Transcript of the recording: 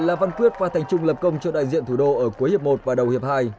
là văn quyết và thành trung lập công cho đại diện thủ đô ở cuối hiệp một và đầu hiệp hai